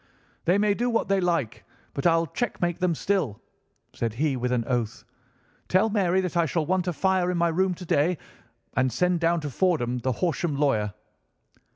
"'They may do what they like, but I'll checkmate them still,' said he with an oath. 'Tell Mary that I shall want a fire in my room to day, and send down to Fordham, the Horsham lawyer.